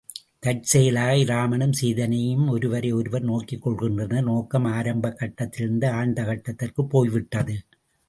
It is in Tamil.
தற்செயலாக இராமனும் சீதையும் ஒருவரை ஒருவர் நோக்கிக் கொள்கின்றனர், நோக்கம் ஆரம்பக் கட்டத்திலிருந்து ஆழ்ந்த கட்டத்திற்குப் போய்விட்டது.